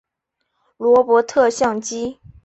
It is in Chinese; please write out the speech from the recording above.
罗伯特像机。